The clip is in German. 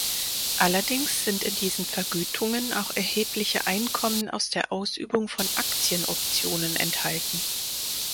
Allerdings sind in diesen Vergütungen auch erhebliche Einkommen aus der Ausübung von Aktienoptionen enthalten.